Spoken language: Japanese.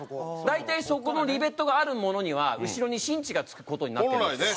大体そこのリベットがあるものには後ろにシンチが付く事になってるんですよ。